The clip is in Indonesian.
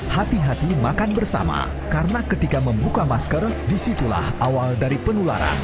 hati hati makan bersama karena ketika membuka masker disitulah awal dari penularan